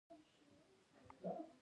آیا لومړی بست لوړ دی؟